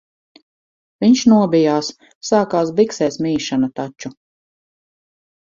Viņš nobijās, sākās biksēs mīšana taču.